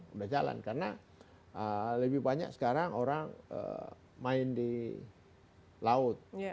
sudah jalan karena lebih banyak sekarang orang main di laut